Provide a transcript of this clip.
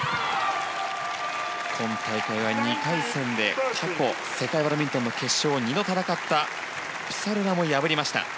今大会は２回戦で過去、世界バドミントンの決勝を２度戦ったプサルラも破りました。